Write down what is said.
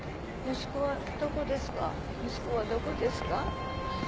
息子はどこですか？